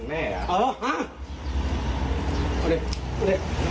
เอาได้